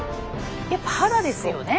やっぱ肌ですよね。